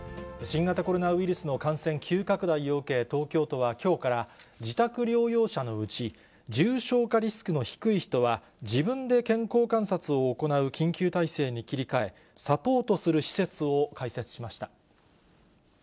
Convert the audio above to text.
新型コロナウイルスの感染急拡大を受け、東京都はきょうから、自宅療養者のうち、重症化リスクの低い人は、自分で健康観察を行う緊急体制に切り替え、サポートする施設を開設しました。